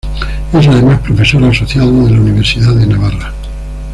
Es además Profesor asociado de la Universidad de Navarra.